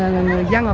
làm sao để cho